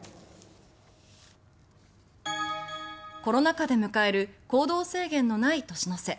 コロナ禍で迎える行動制限のない年の瀬。